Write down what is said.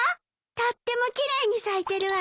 とっても奇麗に咲いてるわよ。